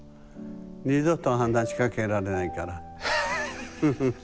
二度と話しかけられないから。